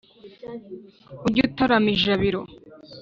ujye utarama ijabiro.